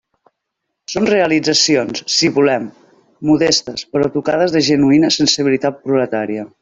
Són realitzacions, si volem, modestes, però tocades de genuïna sensibilitat proletària.